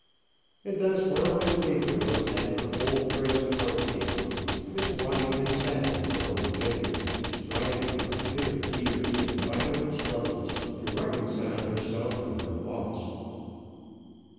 And thus, while Miss Baker was at her old friend's card party, Miss Waddington sat in her own bedroom, striving, with bitter tears and violent struggles, to reconcile herself to her loss.